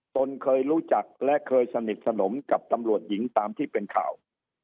ตนเคยรู้จักและเคยสนิทสนมกับตำรวจหญิงตามที่เป็นข่าว